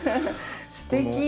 すてき。